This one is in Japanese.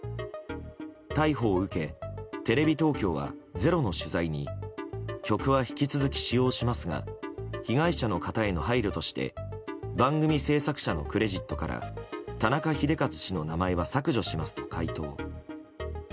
逮捕を受け、テレビ東京は「ｚｅｒｏ」の取材に曲は引き続き使用しますが被害者の方への配慮として番組制作者のクレジットから田中秀和氏の名前は削除しますと回答。